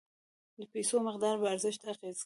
د پیسو مقدار په ارزښت اغیز کوي.